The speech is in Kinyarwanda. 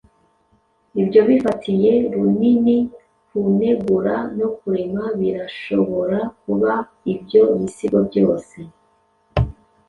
ibyo, bifatiye runini kunegura no kurema, birashobora kuba ibyo bisigo byose